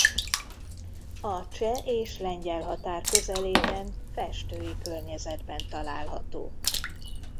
A cseh és lengyel határ közelében festői környezetben található.